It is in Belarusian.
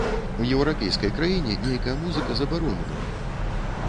У еўрапейскай краіне нейкая музыка забароненая!